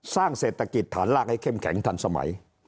สร้างเศรษฐกิจฐานรากให้เข้มแข็งทันสมัย